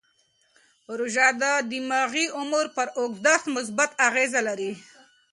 روژه د دماغي عمر پر اوږدښت مثبت اغېز لري.